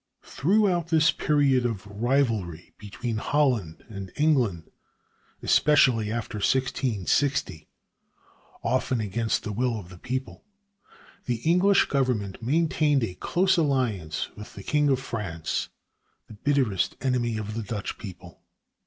Throughout this period of rivalry between Holland and England, especially after 1660, often against the will of the people, the English government maintained a close alliance with the king of France, the bitterest enemy of the Dutch people.